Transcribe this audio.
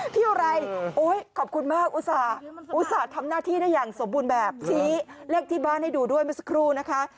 เที่ยวอะไรโอ๊ยขอบคุณมากอุตส่าห์ทำหน้าที่ได้อย่างสมบูรณ์แบบชี้เลขที่บ้านให้ดูด้วยเมื่อสักครู่นะคะ